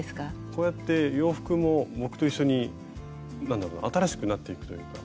こうやって洋服も僕と一緒になんだろうな新しくなっていくというか。